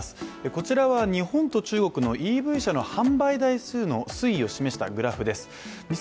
こちらは日本と中国のＥＶ車の販売台数の推移を示したグラフです。